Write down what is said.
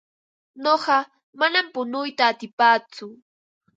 Nuqa manam punuyta atipaatsu.